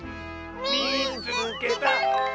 「みいつけた！」。